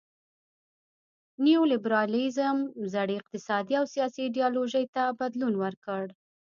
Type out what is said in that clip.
نیو لیبرالیزم زړې اقتصادي او سیاسي ایډیالوژۍ ته بدلون ورکړ.